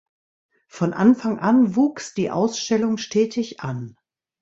Von Anfang an wuchs die Ausstellung stetig an.